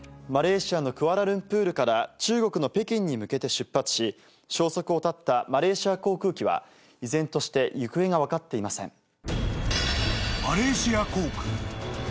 マレーシアのクアラルンプールから中国の北京に向けて出発し消息を絶ったマレーシア航空機は依然として行方が分かっていません。